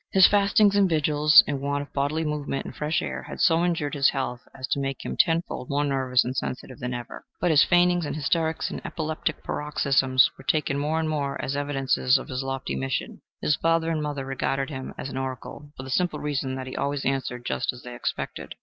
His fastings and vigils, and want of bodily movement and fresh air, had so injured his health as to make him tenfold more nervous and sensitive than ever. But his faintings and hysterics and epileptic paroxysms were taken more and more as evidences of his lofty mission. His father and mother regarded him as an oracle, for the simple reason that he always answered just as they expected.